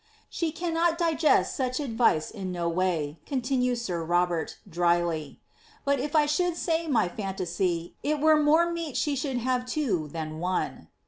"*^ ^e cannot digest such advice in no way," continues sir Robert, drily ;^ but if 1 should say my fimtasy, it were more meet she should have two than one."